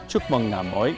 chúc mừng năm mới